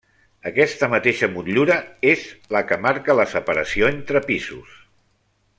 Aquesta mateixa motllura és la que marca la separació entre pisos.